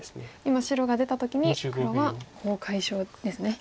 今白が出た時に黒はコウを解消ですね。